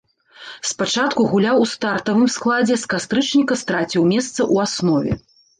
Спачатку гуляў у стартавым складзе, з кастрычніка страціў месца ў аснове.